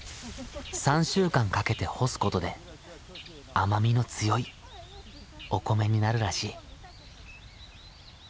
３週間かけて干すことで甘みの強いお米になるらしい。